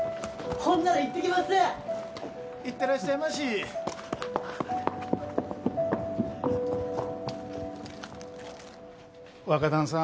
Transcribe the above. ほんなら行ってきます・行ってらっしゃいまし若旦さん